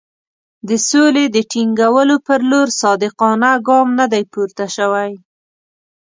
د سولې د ټینګولو پر لور صادقانه ګام نه دی پورته شوی.